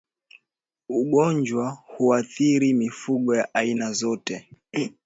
Ugonjwa huathiri mifugo ya aina zote